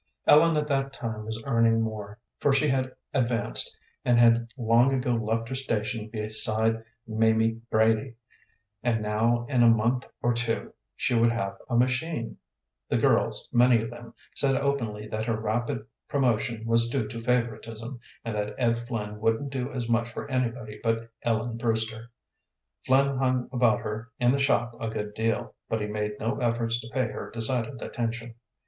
Ellen at that time was earning more, for she had advanced, and had long ago left her station beside Mamie Brady; and now in a month or two she would have a machine. The girls, many of them, said openly that her rapid promotion was due to favoritism, and that Ed Flynn wouldn't do as much for anybody but Ellen Brewster. Flynn hung about her in the shop a good deal, but he had made no efforts to pay her decided attention.